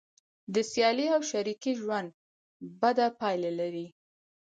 د سیالۍ او شریکۍ ژوند بده پایله لري.